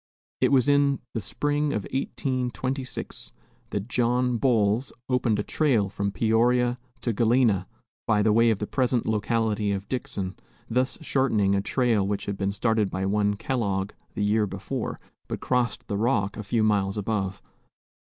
It was in the spring of 1826 that John Boles opened a trail from Peoria to Galena, by the way of the present locality of Dixon, thus shortening a trail which had been started by one Kellogg the year before, but crossed the Rock a few miles above.